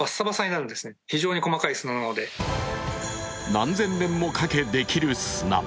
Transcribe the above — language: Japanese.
何千年もかけ、できる砂。